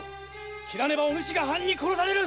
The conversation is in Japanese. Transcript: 斬らねばおぬしが藩に殺される！